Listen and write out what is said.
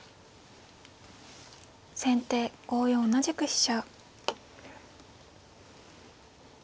先手５四同じく飛車。